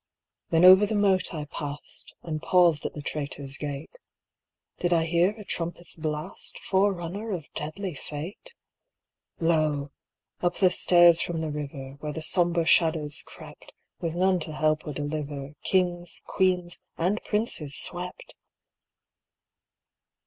Then over the moat I passed And paused at the Traitors' Gate ; Did I hear a trumpet's blast, Forerunner of deadly fate ? Lo ! up the stairs from the river, Where the sombre shadows crept, With none to help or deliver, Kings, queens, and princes swept